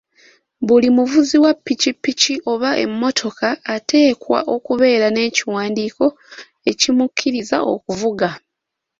Buli muvuzi wa piki piki oba emmotoka ateekwa okubeera n'ekiwandiiko ekimukkiriza okuvuga.